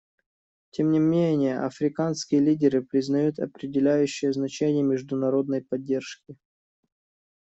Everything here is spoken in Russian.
Тем не менее, африканские лидеры признают определяющее значение международной поддержки.